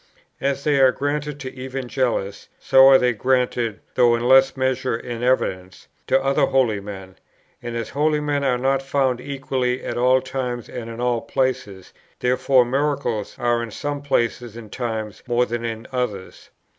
As they are granted to Evangelists, so are they granted, though in less measure and evidence, to other holy men; and as holy men are not found equally at all times and in all places, therefore miracles are in some places and times more than in others.